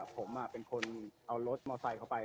ผมเป็นคนเอารถมอไซค์เข้าไป